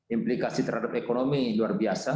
implikasi terhadap ekonomi luar biasa